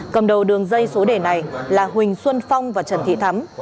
cầm đầu đường dây số đề này là huỳnh xuân phong và trần thị thắm